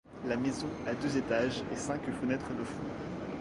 La maison a deux étages et cinq fenêtres de front.